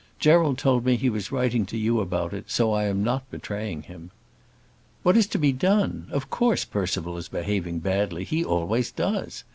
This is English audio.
Gerald told me he was writing to you about it, so I am not betraying him. What is to be done? Of course Percival is behaving badly. He always does.